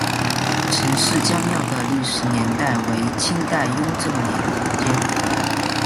陈氏家庙的历史年代为清代雍正年间。